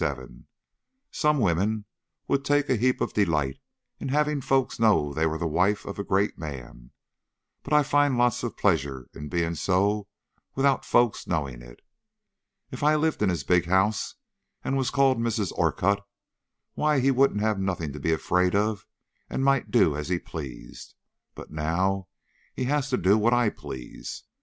Some women would take a heap of delight in having folks know they were the wife of a great man, but I find lots of pleasure in being so without folks knowing it. If I lived in his big house and was called Mrs. Orcutt, why, he would have nothing to be afraid of and might do as he pleased; but now he has to do what I please.